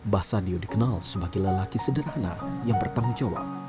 basa diyu dikenal sebagai lelaki sederhana yang bertanggung jawab